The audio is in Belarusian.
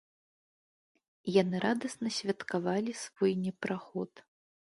Яны радасна святкавалі свой непраход.